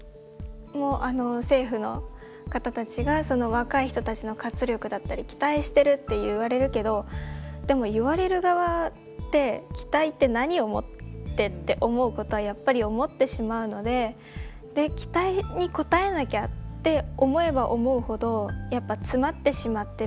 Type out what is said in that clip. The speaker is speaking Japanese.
もうあの政府の方たちが若い人たちの活力だったり期待してるって言われるけどでも言われる側って期待って何をもってって思うことはやっぱり思ってしまうのでで期待に応えなきゃって思えば思うほどやっぱ詰まってしまって。